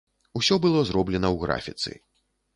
Усё было зроблена ў графіцы.